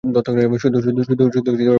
শুধু ভিতরে -- বসো।